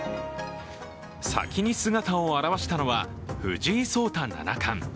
先に姿を現したのは藤井聡太七冠。